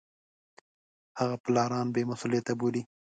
هغه پلانران بې مسولیته بولي.